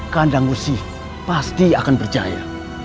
kandang musi pasti akan berjaya